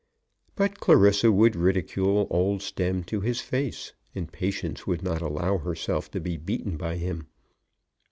But Clarissa would ridicule old Stemm to his face, and Patience would not allow herself to be beaten by him.